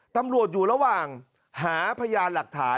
ตำรวจอยู่ระหว่างหาพยานหลักฐาน